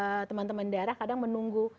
menunggu teman teman daerah kadang menunggu insidenya